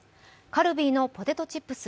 カルビーのポテトチップス